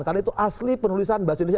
karena itu asli penulisan bahasa indonesia